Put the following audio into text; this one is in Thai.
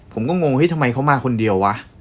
ผมก็งงเฮ้ยทำไมเขามาคนเดียววะ